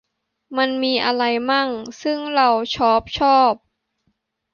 มันมีไรมั่ง ซึ่งเราช้อบชอบ